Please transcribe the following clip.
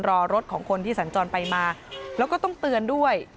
รอรถของคนที่สัญจรไปมาแล้วก็ต้องเตือนด้วย